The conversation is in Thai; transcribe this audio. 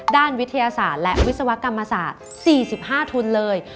ด้านวิทยาศาสตร์และวิศวกรรมศาสตร์๔๕ทุนเลย